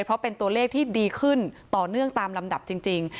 เพราะเป็นตัวเลขที่ดีขึ้นต่อเนื่องตามลำดับจริง